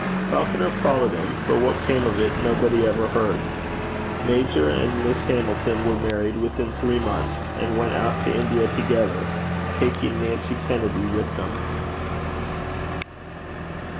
Falconer followed him; but what came of it nobody ever heard. Major and Miss Hamilton were married within three months, and went out to India together, taking Nancy Kennedy with them.